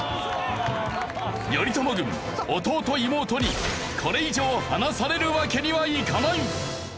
頼朝軍弟・妹にこれ以上離されるわけにはいかない！